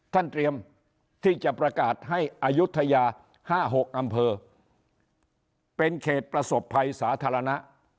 เตรียมที่จะประกาศให้อายุทยา๕๖อำเภอเป็นเขตประสบภัยสาธารณะ